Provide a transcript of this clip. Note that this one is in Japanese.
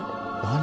何？